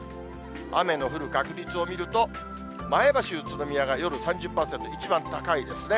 雨の降る確率を見ると、前橋、宇都宮が夜３０％、一番高いですね。